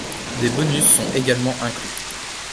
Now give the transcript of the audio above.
Des Bonus sont également inclus.